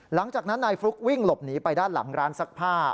หลังจากนั้นนายฟลุ๊กวิ่งหลบหนีไปด้านหลังร้านซักผ้า